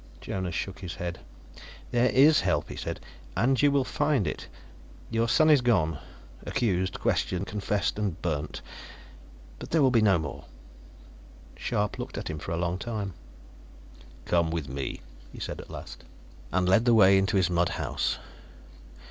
Jonas shook his head. "There is help," he said, "and you will find it. Your son is gone; accused, questioned, confessed and burnt. But there will be no more." Scharpe looked at him for a long time. "Come with me," he said at last, and led the way into his mud house.